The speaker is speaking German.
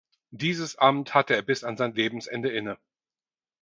Dieses Amt hatte er bis an sein Lebensende inne.